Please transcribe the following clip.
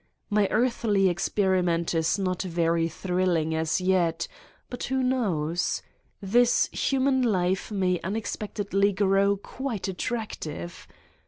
My earthly experiment is not very thrilling as yet, but who knows? this human life may unex pectedly grow quite attractive!